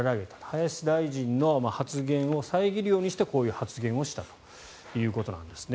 林大臣の発言を遮るようにしてこういう発言をしたということです。